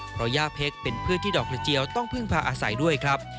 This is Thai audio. เพราะย่าเพชรเป็นพืชที่ดอกกระเจียวต้องพึ่งพาอาศัยด้วยครับ